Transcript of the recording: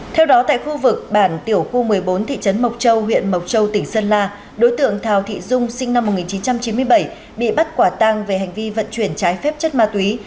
theo đó tại khu vực bản tiểu khu một mươi bốn thị trấn mộc châu huyện mộc châu tỉnh sơn la đối tượng thào thị dung sinh năm một nghìn chín trăm chín mươi bảy bị bắt quả tang về hành vi vận chuyển trái phép chất ma túy